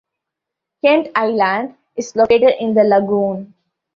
Kent Island is located in the lagoon.